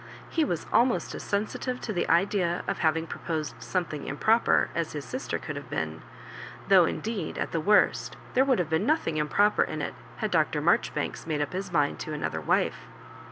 He was almost as sensitive to the idea of having pro posed something improper as his sister could have been, though indeed, at the worst, there would have been nothing improper in it had Dr. Marjoribanks made up his mind to another wife.